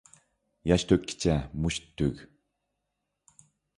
ياش تۆككىچە مۇشت تۈگ.